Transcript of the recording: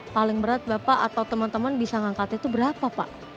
paling berat bapak atau teman teman bisa ngangkatnya itu berapa pak